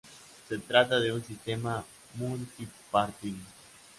Se trata de un sistema multipartidista.